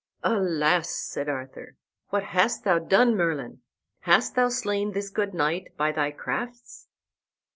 "Alas!" said Arthur, "what hast thou done, Merlin? hast thou slain this good knight by thy crafts?"